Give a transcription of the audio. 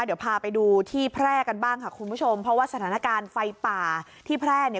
เดี๋ยวพาไปดูที่แพร่กันบ้างค่ะคุณผู้ชมเพราะว่าสถานการณ์ไฟป่าที่แพร่เนี่ย